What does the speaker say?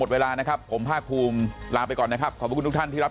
เขาก็จะไม่ฟ้องแล้วคุณก็ไปลุ้นคดีเดียวของผู้การศูนิ